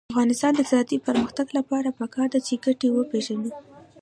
د افغانستان د اقتصادي پرمختګ لپاره پکار ده چې ګټې وپېژنو.